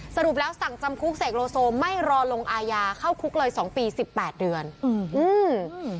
สรุปแล้วสั่งจำคุกเสกโลโซไม่รอลงอาญาเข้าคุกเลยสองปีสิบแปดเดือนอืมอืม